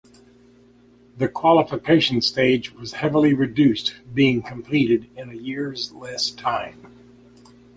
The qualification stage was heavily reduced, being completed in a year's less time.